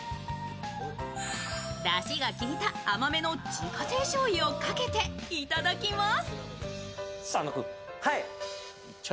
だしがきいた甘めの自家製しょうゆをかけていただきます。